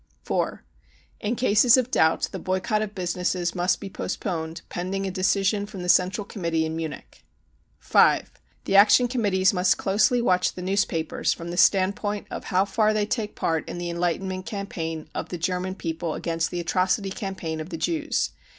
(4) In cases of doubt the boycott of businesses must be postponed pending a decision from the Central Committee in Munich. (5) The Action Committees must closely watch the news papers from the standpoint of how far they take part in the enlightenment campaign of the German people against the atrocity campaign of the Jews.